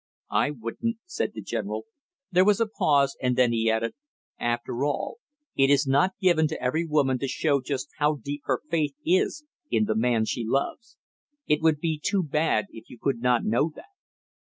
"I wouldn't," said the general. There was a pause and then he added, "After all, it is not given to every woman to show just how deep her faith is in the man she loves. It would be too bad if you could not know that!"